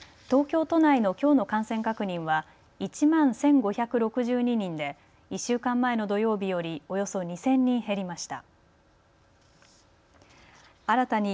東京都内のきょうの感染確認は１万１５６２人で１週間前の土曜日よりおよそ２０００人減りました。